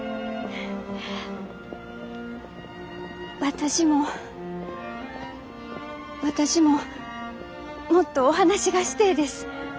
私も私ももっとお話がしてえです